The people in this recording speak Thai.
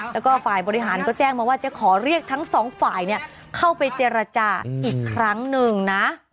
แล้วก็ฝ่ายบริหารก็แจ้งมาว่าจะขอเรียกทั้งสองฝ่ายเข้าไปเจรจาอีกครั้งหนึ่งนะ